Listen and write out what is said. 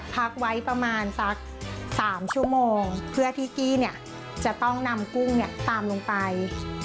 พักไว้ประมาณสัก๓ชั่วโมงเพื่อที่กี้เนี่ยจะต้องนำกุ้งเนี่ยตามลงไป